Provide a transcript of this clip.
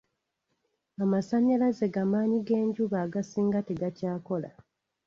Amasannyalaze g'amaanyi g'enjuba agasinga tegakyakola.